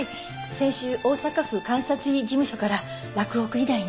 先週大阪府監察医事務所から洛北医大に。